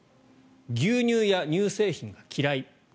牛乳や乳製品が嫌い。